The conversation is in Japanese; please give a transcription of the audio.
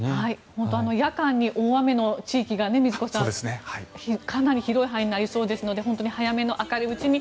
本当に夜間に大雨の地域がかなり広い範囲になりそうなので本当に早めに明るいうちに